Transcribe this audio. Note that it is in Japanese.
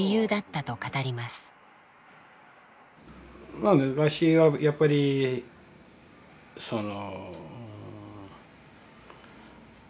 まあ昔はやっぱりその。